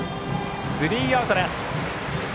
スリーアウトです。